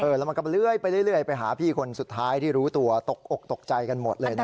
แล้วมันก็เลื่อยไปเรื่อยไปหาพี่คนสุดท้ายที่รู้ตัวตกอกตกใจกันหมดเลยนะ